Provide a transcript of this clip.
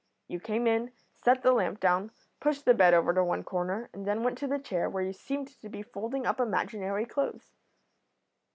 You came in, set the lamp down, pushed the bed over to one corner, and then went to the chair, where you seemed to be folding up imaginary clothes.'